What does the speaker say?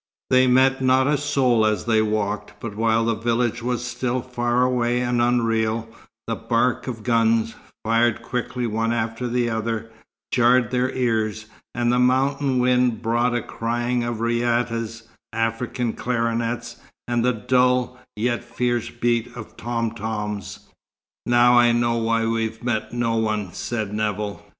They met not a soul as they walked, but while the village was still far away and unreal, the bark of guns, fired quickly one after the other, jarred their ears, and the mountain wind brought a crying of raïtas, African clarionettes, and the dull, yet fierce beat of tom toms. "Now I know why we've met no one," said Nevill.